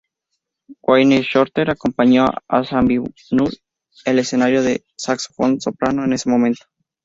Wayne Shorter acompañó a Zawinul en el escenario en saxofón soprano en ese momento.